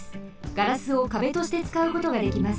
ガラスを壁としてつかうことができます。